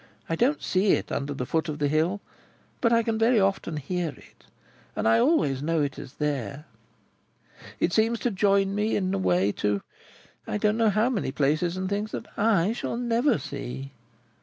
I don't see it under the foot of the hill, but I can very often hear it, and I always know it is there. It seems to join me, in a way, to I don't know how many places and things that I shall never see."